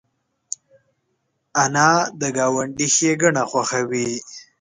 انا د ګاونډي ښېګڼه خوښوي